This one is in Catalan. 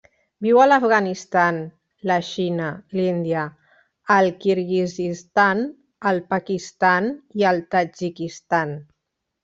Viu a l'Afganistan, la Xina, l'Índia, el Kirguizistan, el Pakistan i el Tadjikistan.